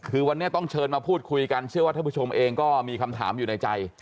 คือวันนี้ต้องเชิญมาพูดคุยกันเชื่อว่าท่านผู้ชมเองก็มีคำถามอยู่ในใจ